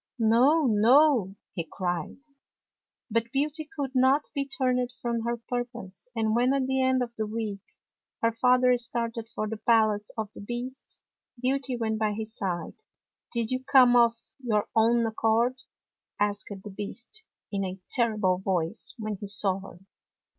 " No, no," he cried. But Beauty could not be turned from her purpose, and when, at the end of the week her father started for the palace of the Beast, Beauty went by his side. " Did you come of your own accord? " asked the Beast, in a terrible voice, when he saw her.